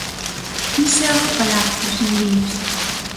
¡Iso é unha falacia, señorías!